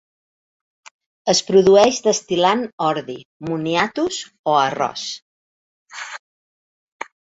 Es produeix destil·lant ordi, moniatos o arròs.